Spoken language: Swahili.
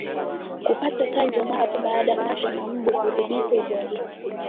Kupata chanjo mara tu baada ya kungatwa na mbwa hudhibiti ugonjwa